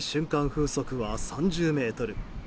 風速は３０メートル。